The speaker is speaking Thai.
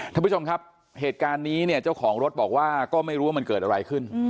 ท่านผู้ชมครับเหตุการณ์นี้เนี่ยเจ้าของรถบอกว่าก็ไม่รู้ว่ามันเกิดอะไรขึ้น